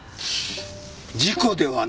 事故ではないと？